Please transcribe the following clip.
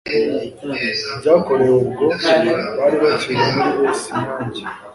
byabakorewe ubwo bari bakiri muri es nyange